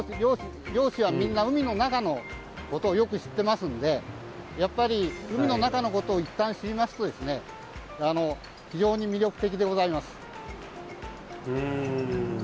漁師はみんな海の中のことをよく知ってますんでやっぱり海の中のことをいったん、知りますと非常に魅力的でございます。